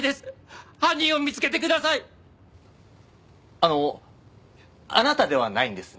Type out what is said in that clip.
あのあなたではないんですね？